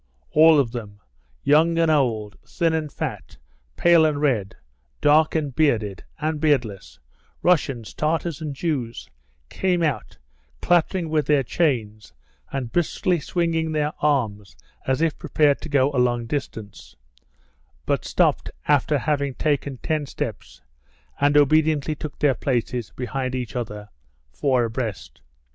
All of them young and old, thin and fat, pale and red, dark and bearded and beardless, Russians, Tartars, and Jews came out, clattering with their chains and briskly swinging their arms as if prepared to go a long distance, but stopped after having taken ten steps, and obediently took their places behind each other, four abreast.